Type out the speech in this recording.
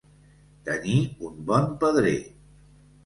Tenir un bon pedrer.